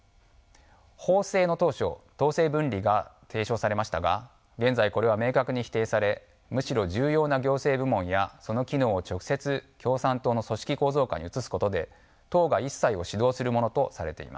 法制の当初党政分離が提唱されましたが現在これは明確に否定されむしろ重要な行政部門やその機能を直接共産党の組織構造下に移すことで党が一切を指導するものとされています。